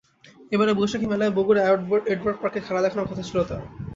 এবারের বৈশাখী মেলায় বগুড়া অ্যাডওয়ার্ড পার্কে খেলা দেখানোর কথা ছিল তাঁর।